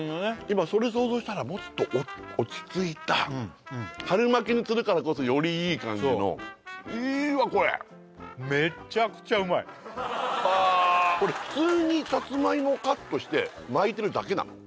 今それ想像したらもっと落ち着いた春巻きにするからこそよりいい感じのいいわこれこれ普通にさつまいもカットして巻いてるだけなの？